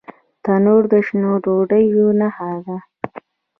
تنور د شنو ډوډیو نښه ده